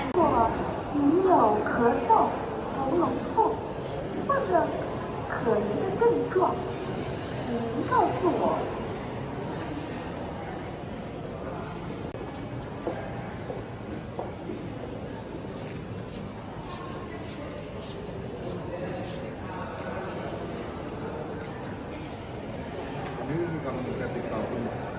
โกรฟของคุณภูมิให้พัก